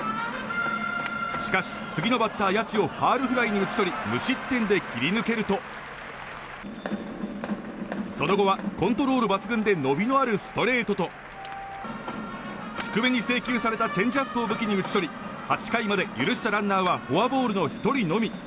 しかし、次のバッター谷内をファウルフライに打ち取り無失点で切り抜けるとその後はコントロール抜群で伸びのあるストレートと低めに制球されたチェンジアップを武器に打ち取り８回まで許したランナーはフォアボールの１人のみ。